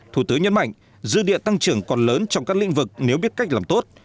thủ tướng nhấn mạnh dư địa tăng trưởng còn lớn trong các lĩnh vực nếu biết cách làm tốt